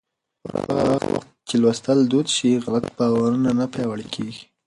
پر هغه وخت چې لوستل دود شي، غلط باورونه نه پیاوړي کېږي.